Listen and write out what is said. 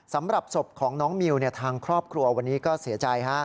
สำหรับศพของน้องมิวทางครอบครัววันนี้ก็เสียใจ